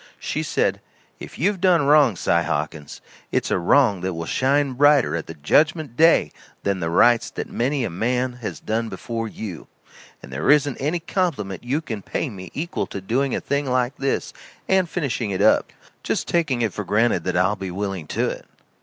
She said: "If you've done wrong, Si Hawkins, it's a wrong that will shine brighter at the judgment day than the rights that many a man has done before you. And there isn't any compliment you can pay me equal to doing a thing like this and finishing it up, just taking it for granted that I'll be willing to it.